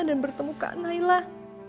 dan bertemu kak nailah